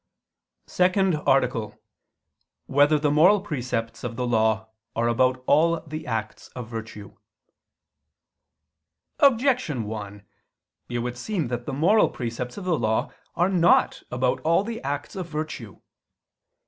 ________________________ SECOND ARTICLE [I II, Q. 100, Art. 2] Whether the Moral Precepts of the Law Are About All the Acts of Virtue? Objection 1: It would seem that the moral precepts of the Law are not about all the acts of virtue.